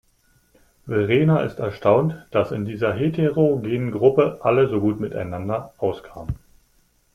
Verena ist erstaunt, dass in dieser heterogenen Gruppe alle so gut miteinander auskamen.